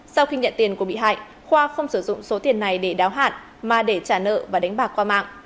sau khi nhận tiền của bị hại khoa không sử dụng số tiền này để đáo hạn mà để trả nợ và đánh bạc qua mạng